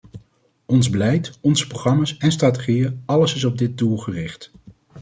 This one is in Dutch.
Ons beleid, onze programma's en strategieën - alles is op dit doel gericht.